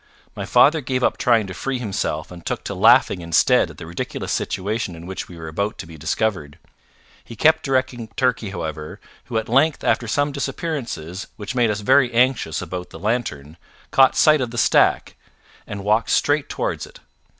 My father gave up trying to free himself and took to laughing instead at the ridiculous situation in which we were about to be discovered. He kept directing Turkey, however, who at length after some disappearances which made us very anxious about the lantern, caught sight of the stack, and walked straight towards it.